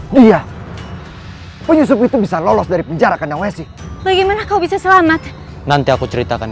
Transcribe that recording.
dia penyusup itu bisa lolos dari penjara kandang wesi bagaimana kau bisa selamat nanti aku ceritakan